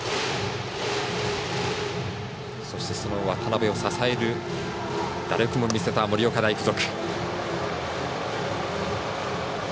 そして、その渡邊を支える打力も見せた盛岡大付属。